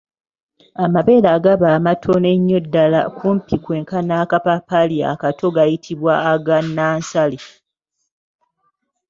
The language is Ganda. Amabeere agaba amatono ennyo ddala kumpi kwenkana akapaapaali akato gayitibwa aga nansale.